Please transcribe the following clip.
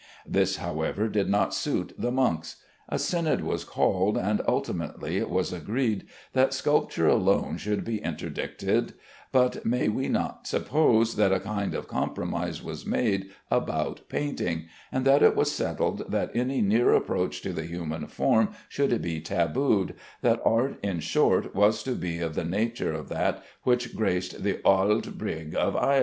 This, however, did not suit the monks. A synod was called, and ultimately it was agreed that sculpture alone should be interdicted; but may we not suppose that a kind of compromise was made about painting, and that it was settled that any near approach to the human form should be tabooed, that art in short was to be of the nature of that which graced the Auld Brig of Ayr?